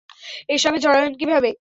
এসবে জড়ালেন কীভাবে?